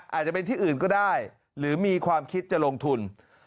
อาจจะเป็นที่อื่นก็ได้หรือมีความคิดจะลงทุน